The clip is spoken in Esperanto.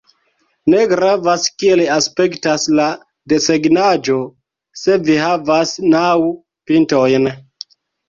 Ne gravas kiel aspektas la desegnaĵo se ĝi havas naŭ pintojn.